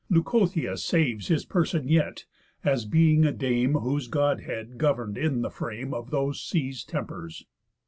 Leucothea saves His person yet, as being a Dame Whose Godhead govern'd in the frame Of those seas' tempers.